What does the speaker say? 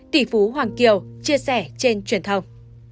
tỷ phú hoàng kiều chia sẻ trên truyền thông